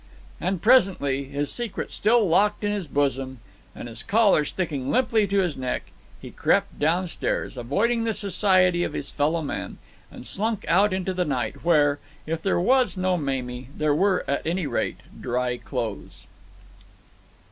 And presently, his secret still locked in his bosom, and his collar sticking limply to his neck, he crept downstairs, avoiding the society of his fellow man, and slunk out into the night where, if there was no Mamie, there were, at any rate, dry clothes.